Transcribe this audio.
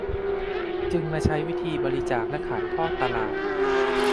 จึงมาใช้วิธีบริจาคและขายทอดตลาด